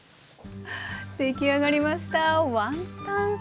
出来上がりました！